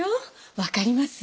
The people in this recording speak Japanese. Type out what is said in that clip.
分かります？